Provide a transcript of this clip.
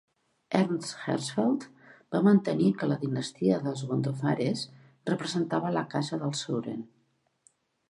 Ernst Herzfeld va mantenir que la dinastia dels Gondophares representava la casa dels Suren.